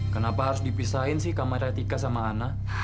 kenapa harus dipisahin sih kamar ratika sama ana